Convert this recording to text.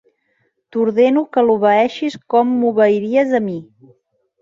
T'ordeno que l'obeeixis com m'obeiries a mi.